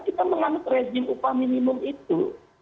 kita menganut rezim upah minimum itu